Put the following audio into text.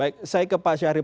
baik saya ke pak syahril